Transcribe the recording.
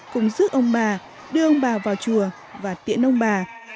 cùng giúp ông bà đưa ông bà vào chùa và tiện ông bà